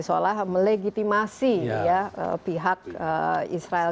seolah melegitimasi pihak israel